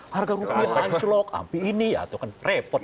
harga rupiah anclok ampi ini ya itu kan repot